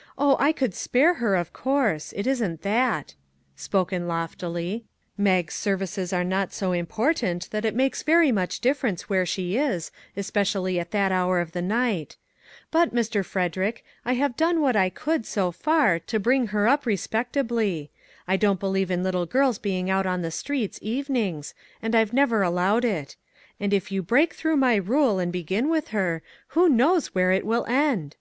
" Oh, I could spare her, of course ; 165 MAG AND MARGARET it isn't that," spoken loftily. " Mag's services are not so important that it makes very much difference where she is, especially at that hour of the night ; but, Mr. Frederick, I have done what I could, so far, to bring her up respectably; I don't believe in little girls being out on the streets, evenings, and I've never allowed it ; and if you break through my rule and begin with her, who knows where it will end